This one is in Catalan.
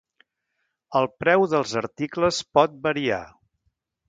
El preu dels articles pot variar.